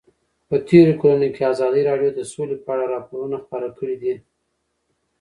په تېرو کلونو کې ازادي راډیو د سوله په اړه راپورونه خپاره کړي دي.